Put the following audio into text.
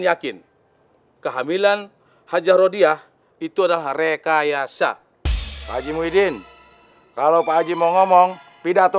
yakin kehamilan hajah rodiah itu adalah rekayasa pak haji muhyiddin kalau pak haji mau ngomong pidato